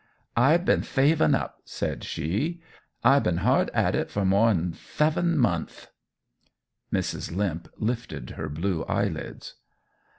"I been thavin' up," said she. "I been hard at it for more 'n theven monthth." Mrs. Limp lifted her blue eyelids.